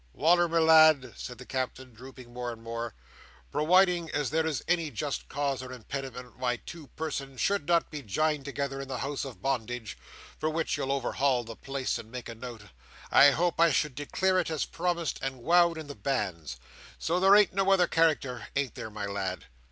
"Wal"r, my lad," said the Captain, drooping more and more, "prowiding as there is any just cause or impediment why two persons should not be jined together in the house of bondage, for which you'll overhaul the place and make a note, I hope I should declare it as promised and wowed in the banns. So there ain't no other character; ain't there, my lad?"